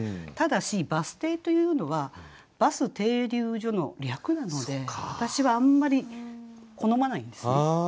ただし「バス停」というのは「バス停留所」の略なので私はあんまり好まないんですね。